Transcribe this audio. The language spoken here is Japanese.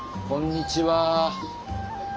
こんにちは。